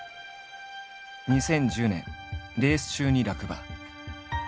２０１０年レース中に落馬。